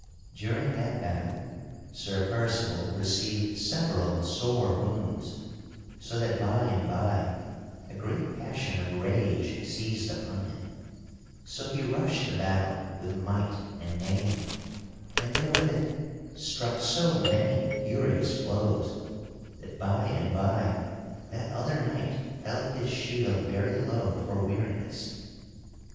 [Sidenote: Sir Percival overcometh the strange knight] During that battle Sir Percival received several sore wounds so that by and by a great passion of rage seized upon him. So he rushed the battle with might and main, and therewith struck so many furious blows that by and by that other knight held his shield very low for weariness.